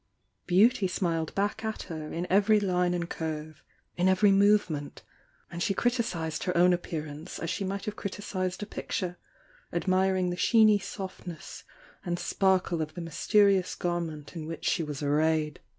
Beauty smiled back at her in every line and curve, in every movement; and she criticised her own appearance Lj she might have criticised a picture, admiring the sheeny softness and sparkle of the mysterious gar ment in which she was arrayed.